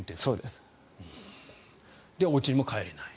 で、おうちにも帰れない。